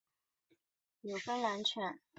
纽芬兰犬。